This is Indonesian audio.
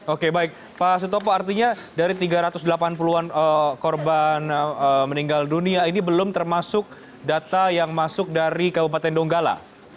oke baik pak sutopo artinya dari tiga ratus delapan puluh an korban meninggal dunia ini belum termasuk data yang masuk dari kabupaten donggala